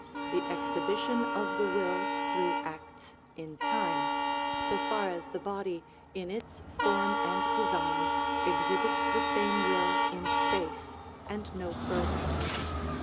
_, the exhibition of the will through acts in time, so far as the body, in its form and design, exhibits the same will in space, and no further.